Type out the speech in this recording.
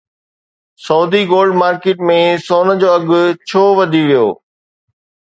Saudi gold market ۾ سون جو اگهه ڇو وڌي ويو؟